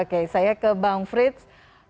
oke saya ke bang frits